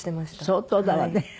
相当だわね。